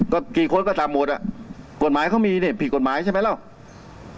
ก็กี่คนก็ทำหมดอ่ะกฎหมายเขามีนี่ผิดกฎหมายใช่ไหมแล้ว